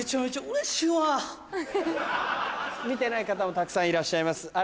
見てない方もたくさんいらっしゃいます。